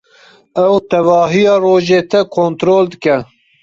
Ew tevahiya rojê te kontrol dike.